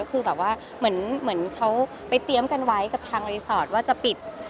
คือแบบว่าเหมือนเขาไปเตรียมกันไว้กับทางรีสอร์ทว่าจะปิด